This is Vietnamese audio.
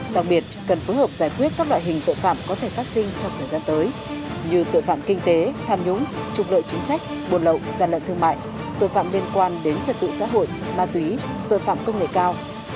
đặc biệt cần phối hợp giải quyết các loại hình tội phạm có thể phát sinh trong thời gian tới như tội phạm kinh tế tham nhũng trục lợi chính sách buồn lậu gian lận thương mại tội phạm liên quan đến trật tự xã hội ma túy tội phạm công nghệ cao